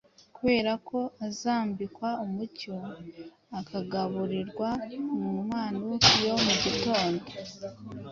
Kuberako uzambikwa umucyo, ukagaburirwa na manu yo mu gitondo